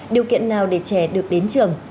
điều kiện nào để trẻ được đến trường